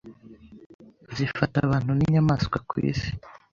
zifata abantu n’inyamanswa ku Isi